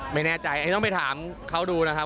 ไม่แน่ใจอันนี้ต้องไปถามเขาดูนะครับ